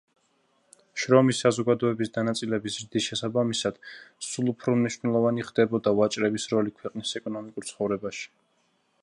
შრომის საზოგადოების დანაწილების ზრდის შესაბამისად, სულ უფრო მნიშვნელოვანი ხდებოდა ვაჭრების როლი ქვეყნის ეკონომიკურ ცხოვრებაში.